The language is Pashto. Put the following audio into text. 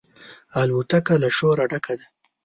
الوتکه له شوره ډکه وي.